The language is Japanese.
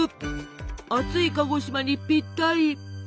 暑い鹿児島にぴったり！